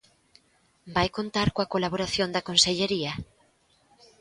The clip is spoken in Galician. ¿Vai contar coa colaboración da consellería?